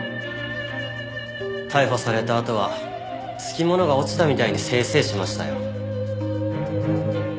逮捕されたあとはつき物が落ちたみたいにせいせいしましたよ。